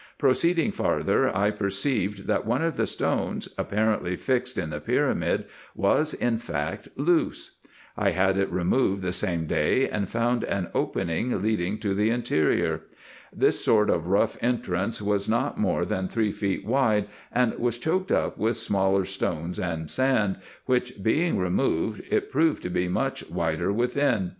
Proceeding farther, I perceived, that one of the stones, apparently fixed in the pyramid, was in fact loose. I had it re moved the same day, and found an opening leading to the interior. Tins sort of rough entrance was not more than three feet wide, and was choked up with smaller stones and sand, which being removed, it proved to be much wider within.